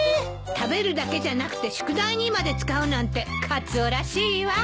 食べるだけじゃなくて宿題にまで使うなんてカツオらしいわ。